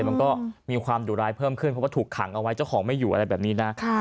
มันก็มีความดุร้ายเพิ่มขึ้นเพราะว่าถูกขังเอาไว้เจ้าของไม่อยู่อะไรแบบนี้นะ